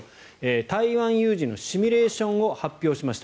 台湾有事のシミュレーションを発表しました。